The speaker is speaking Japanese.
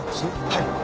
はい。